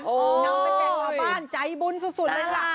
นำไปแจกชาวบ้านใจบุญสุดเลยค่ะ